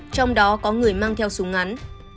trong đó có người mang theo súng ngắn